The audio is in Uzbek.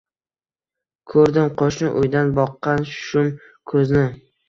Koʻrdim qoʻshni uydan boqqan shum koʻzni.